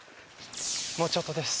もうちょっとです。